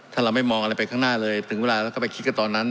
ถ้าเราไม่มองอะไรไปข้างหน้าเลยถึงเวลาเราก็ไปคิดกันตอนนั้น